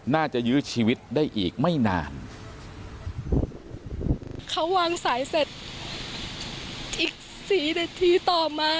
ยื้อชีวิตได้อีกไม่นานเขาวางสายเสร็จอีกสี่นาทีต่อมา